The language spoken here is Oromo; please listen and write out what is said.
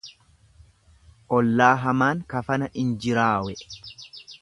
Ollaa hamaan kafana injiraawe.